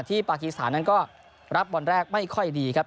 ที่ปาคีสถานก็รับวันแรกไม่ค่อยดีครับ